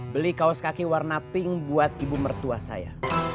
beli kaos kaki warna pink buat ibu mertua saya